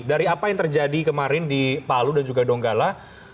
dari apa yang terjadi kemarin di palu dan juga donggala